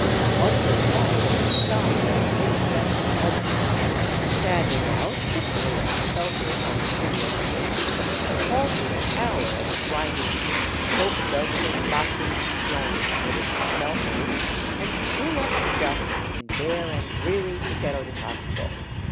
Once or twice we stopped at a wind 315 VAGABONDING DOWN THE ANDES threshed mud town, standing out pitifully unsheltered on the treeless waste, halted an hoiir at grimy, smoke belching La Fundicion with its smelters, and drew up at dusk in bare and dreary Cerro de Pasco.